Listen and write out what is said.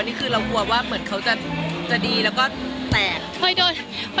นี่คือเรากลัวว่าเหมือนเขาจะดีแล้วก็แตกค่อยโดน